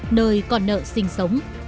nơi còn nợ sinh sống